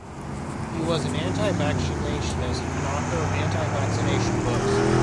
He was an anti-vaccinationist and author of anti-vaccination books.